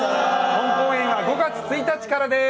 本公演は５月１日からです。